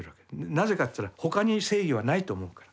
なぜかといったら他に正義はないと思うから。